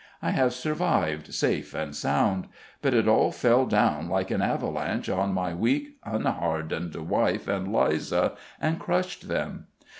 I have survived safe and sound. But it all fell down like an avalanche on my weak, unhardened wife and Liza, and crushed them.